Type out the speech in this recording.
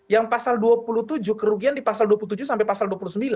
yang pasal dua puluh tujuh kerugian di pasal dua puluh tujuh sampai pasal dua puluh sembilan